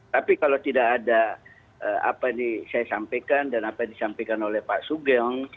tapi kalau tidak ada apa yang saya sampaikan dan apa yang disampaikan oleh pak sugeng